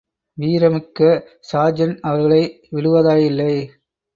வீரமிக்க sergeant அவர்களை விடுவாதாயில்லை.